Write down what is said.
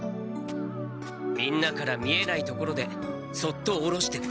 みんなから見えない所でそっとおろしてくれた。